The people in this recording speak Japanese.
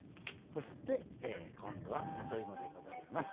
そして今度は里芋でございます。